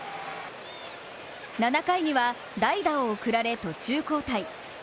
７回には代打を送られ途中交代。